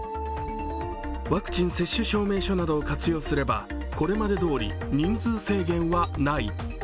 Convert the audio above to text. ワクチン接種証明書などを活用すればこれまでどおり、人数制限はない。